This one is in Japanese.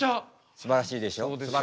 すばらしいでしょ。